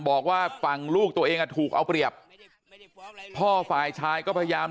บอกว่าฝั่งลูกตัวเองอ่ะถูกเอาเปรียบพ่อฝ่ายชายก็พยายาม